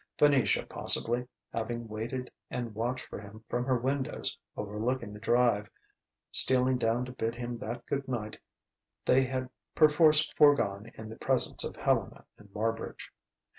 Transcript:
Venetia, possibly, having waited and watched for him from her windows overlooking the drive, stealing down to bid him that good night they had perforce foregone in the presence of Helena and Marbridge....